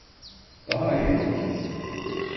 Daha iyi olacak.